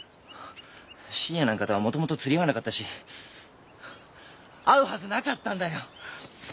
信也なんかとはもともと釣り合わなかったし合うはずなかったんだよ！